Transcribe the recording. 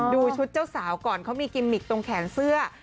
ดูชุดเจ้าสาวก่อนเขามีกิมมิกตรงแขนเสื้อ